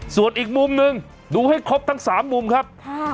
ส่วนอีกมุมหนึ่งดูให้ครบทั้ง๓มุมครับ